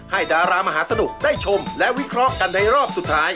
ดารามหาสนุกได้ชมและวิเคราะห์กันในรอบสุดท้าย